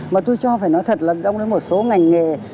mà tôi cho phải nói thật là trong một số ngành nghề